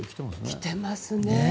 きてますね。